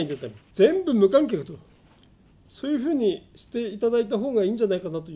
全部無観客、そういうふうにしていただいたほうがいいんじゃないかなと。